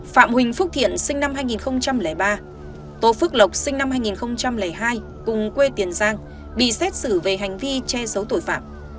phạm huỳnh phúc thiện sinh năm hai nghìn ba tô phước lộc sinh năm hai nghìn hai cùng quê tiền giang bị xét xử về hành vi che giấu tội phạm